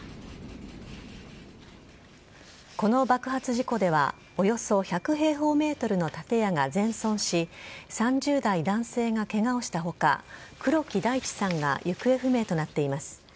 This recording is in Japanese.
この爆発事故では、およそ１００平方メートルの建屋が全損し、３０代男性がけがをしたほか、黒木大地さんが行方不明となっています。